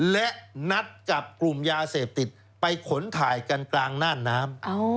และนัดจับกลุ่มยาเสพติดไปขนถ่ายกันกลางน่านน้ำ